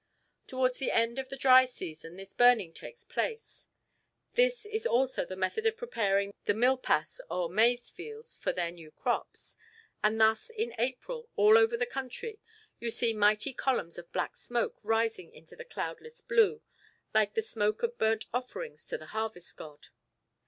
Towards the end of the dry season this burning takes place. This is also the method of preparing the milpas or maize fields for their new crops, and thus in April all over the country you see mighty columns of black smoke rising into the cloudless blue, like the smoke of burnt offerings to the Harvest God.